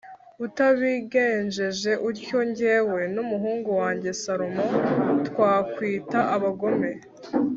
utabigenjeje utyo jyewe n’umuhungu wanjye Salomo twakwitwa abagome.”